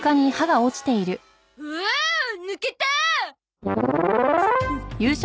おお抜けた！